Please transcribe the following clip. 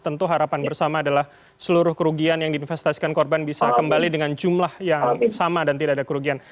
tentu harapan bersama adalah seluruh kerugian yang diinvestasikan korban bisa kembali dengan jumlah yang sama dan tidak ada kerugian